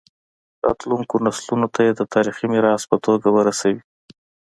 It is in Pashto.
راتلونکو نسلونو ته یې د تاریخي میراث په توګه ورسوي.